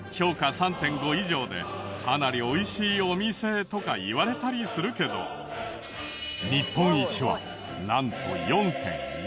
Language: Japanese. ３．５以上でかなり美味しいお店とかいわれたりするけど日本一はなんと４．１。